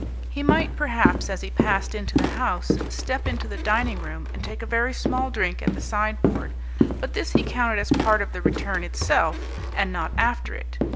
He might, perhaps, as he passed into the house, step into the dining room and take a very small drink at the sideboard. But this he counted as part of the return itself, and not after it.